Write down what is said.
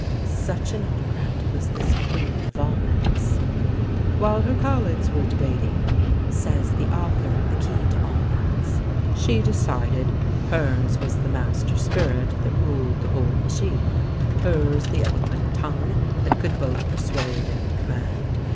Such an autocrat was this "Queen of Almack's." "While her colleagues were debating," says the author of the "Key to Almack's," "she decided. Hers was the master spirit that ruled the whole machine; hers the eloquent tongue that could both persuade and command.